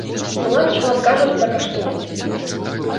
У нас шмат кажуць пра каштоўнасці.